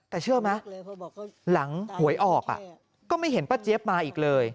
แต่เชื่อไหมหลังหวยออกก็ไม่เห็นป้าเจี๊ยบมาอีกเลย